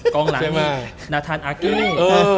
กองหลังนี้นาธันอาเกลี่ยนี่